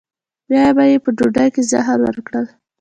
بیا به یې په ډوډۍ کې زهر ورکړل.